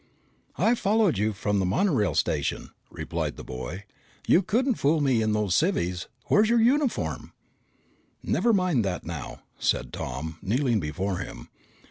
"I followed you from the monorail station," replied the boy. "You couldn't fool me in those civvies. Where's your uniform?" "Never mind that now," said Tom, kneeling before him.